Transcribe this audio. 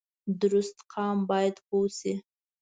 درست قام باید پوه شي